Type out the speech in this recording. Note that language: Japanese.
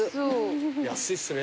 安いっすね。